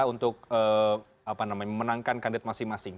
untuk memenangkan kandidat masing masing